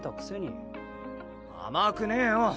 甘くねえよ。